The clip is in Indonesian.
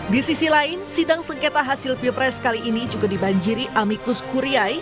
di sisi lain sidang sengketa hasil pilpres kali ini juga dibanjiri amikus kuriyai